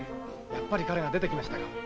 やっぱり彼が出てきましたか。